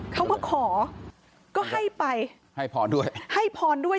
เขาก็ขอก็ให้ไปให้พ้นด้วย